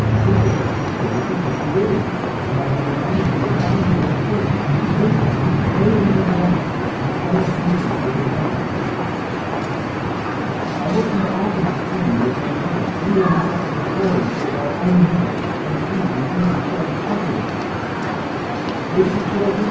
"Here you must stay for thirty days; but I have the money for your fine in this purse. Take it; pay it in the morning, and summon patience for your mouth. I will come often to see you, with my friend; we will make up your clothes with our own hands; indeed, indeed, you shall be comfortable." "Would ye, children?"